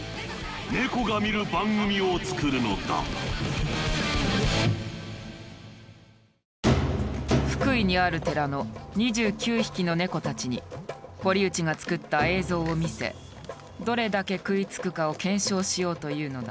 ネコが見る番組を作るのだ福井にある寺の２９匹のネコたちに堀内が作った映像を見せどれだけ食いつくかを検証しようというのだ。